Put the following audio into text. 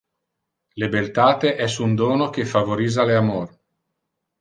Le beltate es un dono que favorisa le amor.